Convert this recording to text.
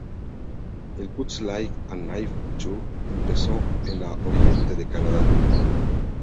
El "Cuts Like a Knife Tour" empezó en al Oriente de Canadá.